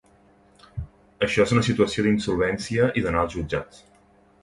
Això és una situació d’insolvència i d’anar als jutjats.